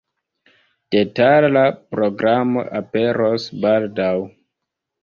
Detala programo aperos baldaŭ.